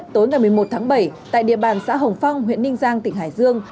tối ngày một mươi một tháng bảy tại địa bàn xã hồng phong huyện ninh giang tỉnh hải dương